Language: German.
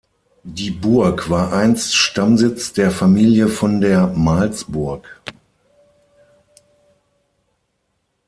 Die Burg war einst Stammsitz der Familie von der Malsburg.